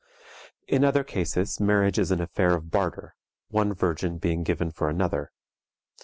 In other cases marriage is an affair of barter, one virgin being given for another.